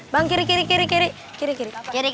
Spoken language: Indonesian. bang kiri kiri kiri kiri